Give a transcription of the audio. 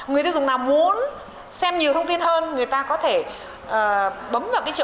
người tiêu dùng nào muốn xem nhiều thông tin hơn người ta có thể bấm vào cái chỗ